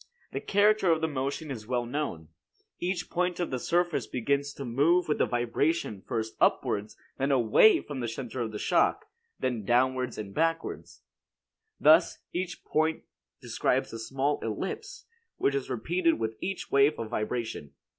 The character of the motion is well known. Each point of the surface begins to move with the vibration first upwards, then away from the center of shock, then downward and backwards. Thus, each point describes a small ellipse, which is repeated with each wave of vibration.